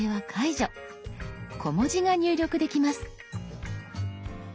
小文字が入力できます。